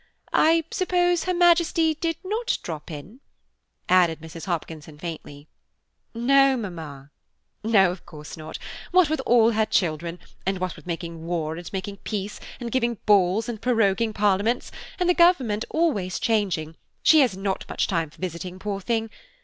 I suppose Her Majesty did not drop in?" added Mrs. Hopkinson faintly. "No, mamma." "No, of course not; what with all her children, and what with making war and making peace, and giving balls and proroguing Parliaments, and the Government always changing, she has not much time for visiting, poor thing!